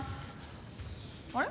あれ？